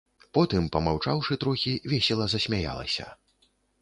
Потым, памаўчаўшы трохі, весела засмяялася.